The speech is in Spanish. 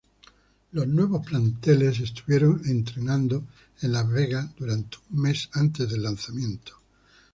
Los nuevos planteles estuvieron entrenando en Las Vegas durante un mes antes del lanzamiento.